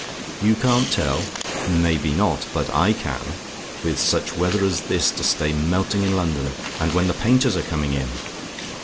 "YOU CAN'T TELL? "May be not: but I can. With such weather as this, to stay melting in London; and when the painters are coming in!